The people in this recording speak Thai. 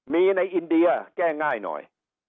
มีในอินเดียแก้ง่ายหน่อย